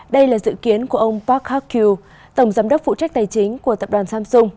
đây là dự kiến của ông park hak kyu tổng giám đốc phụ trách tài chính của tập đoàn samsung